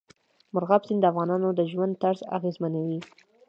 مورغاب سیند د افغانانو د ژوند طرز اغېزمنوي.